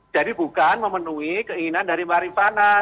jadi bukan memenuhi keinginan dari marifandang